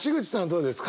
どうですか？